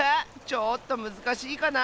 ちょっとむずかしいかな？